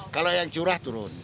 kalau yang curah turun